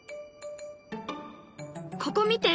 ここ見て。